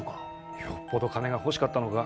よっぽど金が欲しかったのか。